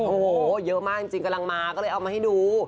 โอ้โหเยอะมากจริงกำลังมาก็เลยเอามาให้ดู